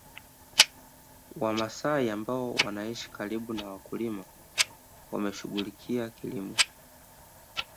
Wamasai ambao wanaishi karibu na wakulima wameshughulikia kilimo